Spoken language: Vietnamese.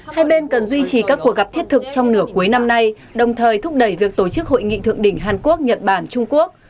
hai bên cần duy trì các cuộc gặp thiết thực trong nửa cuối năm nay đồng thời thúc đẩy việc tổ chức hội nghị thượng đỉnh hàn quốc nhật bản trung quốc